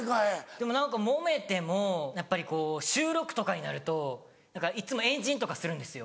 でももめてもやっぱり収録とかになるといつも円陣とかするんですよ。